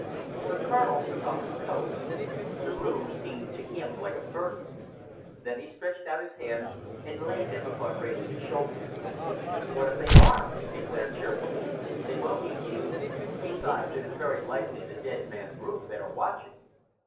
The Colonel took off his coat. The room seemed to him like a furnace. Then he stretched out his hands and laid them upon Wrayson's shoulders. "What if they are?" he declared cheerfully. "They won't eat you. Besides, it is very likely the dead man's rooms they are watching."